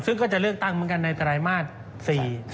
ซึ่งก็จะเลือกตั้งเหมือนกันในไตรมาสสี่